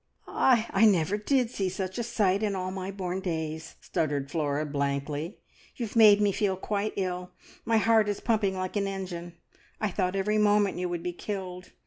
"I n n never did see such a sight in all my born days," stuttered Flora blankly. "You've made me feel quite ill. My heart is pumping like an engine. I thought every moment you would be killed.